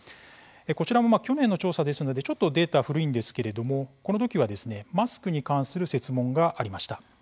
こちらも去年の調査ですのでちょっとデータ古いんですけれども、この時はマスクに関する設問がありました。